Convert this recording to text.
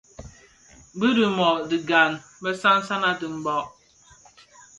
Bi Rimoh (Biamo) et Gahn bi sansan a dimbag.